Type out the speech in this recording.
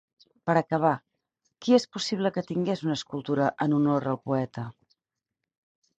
Per acabar, qui és possible que tingués una escultura en honor al poeta?